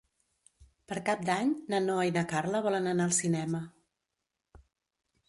Per Cap d'Any na Noa i na Carla volen anar al cinema.